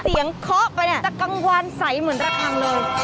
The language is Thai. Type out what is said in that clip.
เสียงเคาะไปเนี่ยเจ้ากังวานใสเหมือนระคังเลย